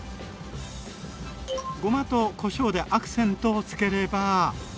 ごまとこしょうでアクセントをつければ。